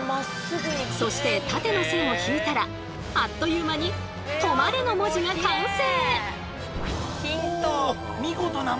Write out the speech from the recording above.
そして縦の線を引いたらあっという間に「止まれ」の文字が完成！